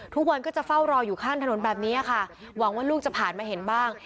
ทุกวันก็จะเฝ้ารออยู่ข้างถนนแบบนี้ค่ะหวังว่าลูกจะผ่านมาเห็นบ้าง